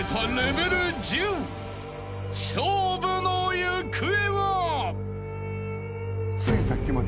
［勝負の行方は？］